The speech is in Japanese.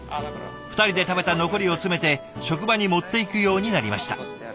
２人で食べた残りを詰めて職場に持っていくようになりました。